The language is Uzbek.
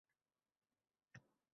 Bir qanot qoqib so‘ng tingan polapon